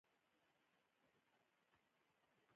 موږ کولای شو د هغوی په وړاندې غبرګون وښیو.